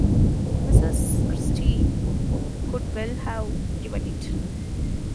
Mrs Christie could well have given it.